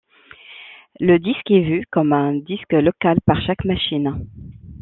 Le disque est vu comme un disque local par chaque machine.